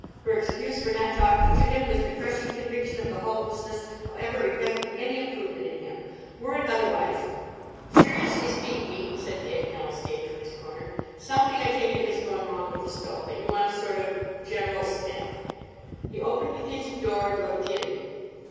Her excuse for not talking to him was the crushing conviction of the hopelessness of ever effecting any improvement in him. Were it otherwise— "Seriously speaking," said Dick, now escaped from his corner, "something, I take it, has gone wrong with the stove, and you want a sort of general smith." He opened the kitchen door and looked in.